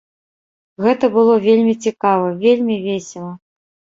Гэта было вельмі цікава, вельмі весела.